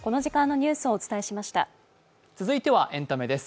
続いてはエンタメです。